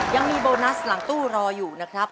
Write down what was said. ยังมีโบนัสหลังตู้รออยู่นะครับ